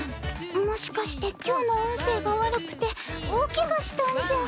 もしかして今日の運勢が悪くて大ケガしたんじゃ。